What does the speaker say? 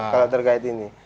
kalau terkait ini